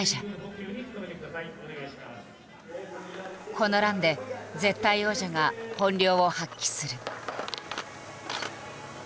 このランで絶対王者が本領を発揮する。